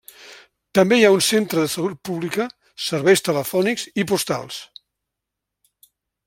També hi ha un centre de salut pública, serveis telefònics i postals.